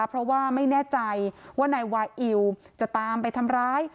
เพราะว่าไม่แน่ใจว่านายวาอิวจะตามไปทำร้าย